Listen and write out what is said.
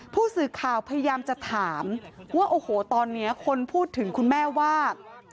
ผู้สื่อข่าวพยายามจะถามว่าโอ้โหตอนนี้คนพูดถึงคุณแม่ว่า